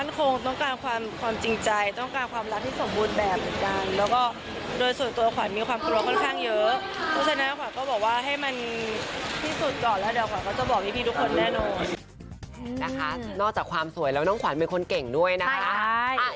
นอกจากความสวยแล้วน้องขวัญเป็นคนเก่งด้วยนะคะ